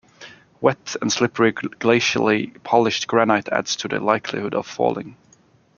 Wet and slippery glacially polished granite adds to the likelihood of falling.